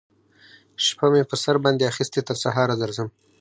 شپه می پر سر باندی اخیستې تر سهاره درځم